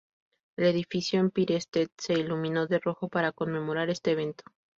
El edificio Empire State se iluminó de rojo para conmemorar este evento.